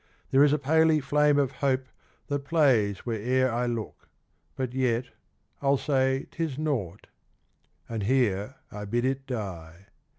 There is a paly flame of hope that plays Where'er I look : but yet, I'll say 'tis naught — And here I bid it die.